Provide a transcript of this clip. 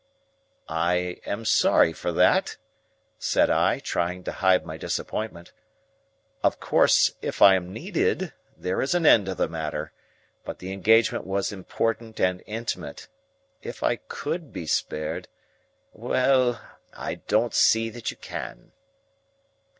"I am sorry for that," said I, trying to hide my disappointment. "Of course if I am needed, there is an end of the matter. But the engagement was important and intimate. If I could be spared " "Well, I don't see that you can."